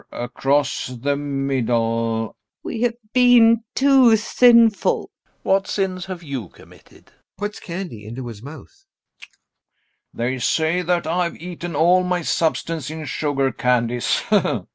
across the middle.... LUBOV. We have been too sinful.... LOPAKHIN. What sins have you committed? GAEV. [Puts candy into his mouth] They say that I've eaten all my substance in sugar candies. [Laughs.